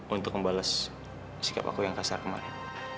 untuk membalas sikap aku yang kasar kemarin